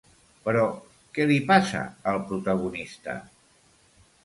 Però què li passa al protagonista?